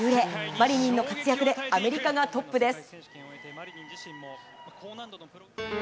マリニンの活躍でアメリカがトップです。